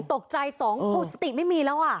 หนึ่งตกใจสองโคตรสติไม่มีแล้วอะ